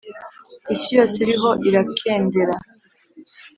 isi yose iriho irakendera,